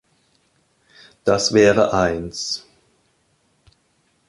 Das wäre eins.